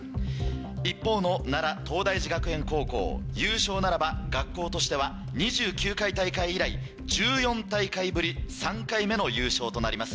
一方の奈良東大寺学園高校優勝ならば学校としては２９回大会以来１４大会ぶり３回目の優勝となります。